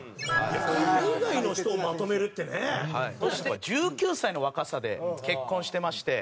そして１９歳の若さで結婚してまして。